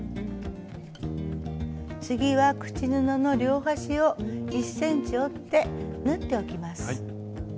次は口布の両端を１ｃｍ折って縫っておきます。